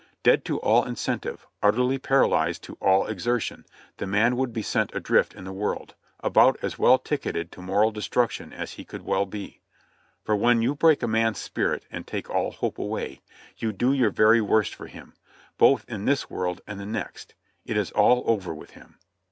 Dead to all incentive, utterly paralyzed to all exertion, the man would be sent adrift in the world, about as well ticketed to moral destruction as he could well be; for when you break a man's spirit and take all hope away, you do your very worst for him, both in this world and the next. It is all over with him.